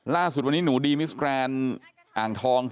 ล่าสุดวันนี้หนูดีมิสแกรนด์อ่างทอง